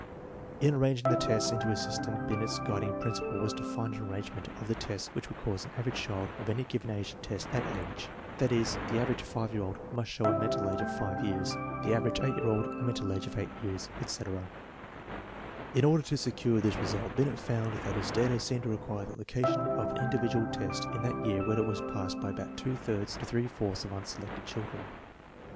In arranging the tests into a system Binet's guiding prin ciple was to find an arrangement of the tests which would cause an average child of any given age to test "at age "; that is, the average 5 yeax &ld must show a mental age of 5 years, the average 8 year old a mental age of 8 i See p. 55. 48 THE MEASUREMENT OF INTELLIGENCE In order to secure this result Binet found that his data seemed to require the location of an individual test in that year where it was passed by about two thirds to three fourths of unselectcd children.